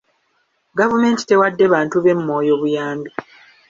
Gavumenti tewadde bantu b'e Moyo buyambi.